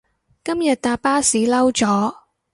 今日搭巴士嬲咗